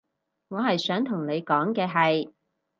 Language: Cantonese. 我係想同你講嘅係